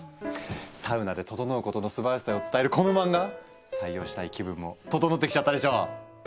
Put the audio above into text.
「サウナでととのう」ことのすばらしさを伝えるこの漫画採用したい気分もととのってきちゃったでしょう。